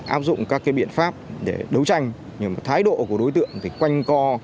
áp dụng các biện pháp để đấu tranh nhưng mà thái độ của đối tượng thì quanh co